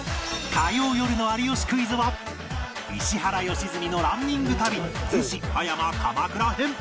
火曜よるの『有吉クイズ』は石原良純のランニング旅逗子・葉山・鎌倉編